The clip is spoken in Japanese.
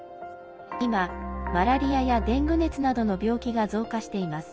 今、マラリアやデング熱などの病気が増加しています。